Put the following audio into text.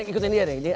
ikutin dia nih